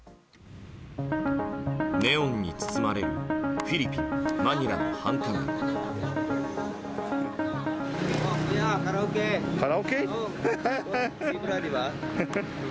ネオンに包まれるフィリピン・マニラの繁華街。